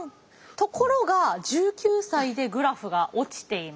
ところが１９歳でグラフが落ちています。